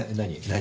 何？